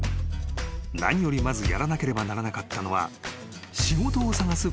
［何よりまずやらなければならなかったのは］